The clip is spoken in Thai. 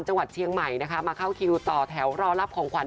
จังหวัดเชียงใหม่นะคะมาเข้าคิวต่อแถวรอรับของขวัญ